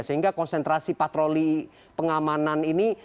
sehingga konsentrasi patroli pengamanan ini